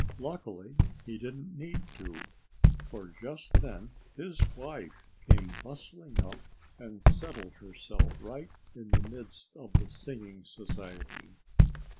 Luckily he didn't need to. For just then his wife came bustling up and settled herself right in the midst of the Singing Society.